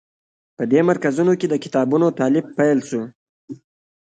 په دې مرکزونو کې د کتابونو تألیف پیل شو.